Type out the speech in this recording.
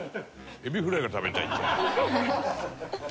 エビフライが食べたいんじゃ。